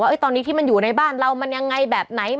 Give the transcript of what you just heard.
ว่าตอนนี้ที่มันอยู่ในบ้านเรามันยังไงแบบไหน